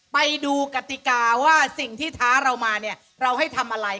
ไปดูกติกาว่าสิ่งที่ท้าเรามาเนี่ยเราให้ทำอะไร